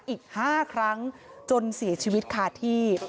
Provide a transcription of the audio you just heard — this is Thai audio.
อีกห้าครั้งจนสีชีวิตขาดที่